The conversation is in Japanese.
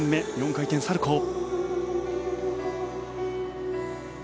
４回転サルコウ。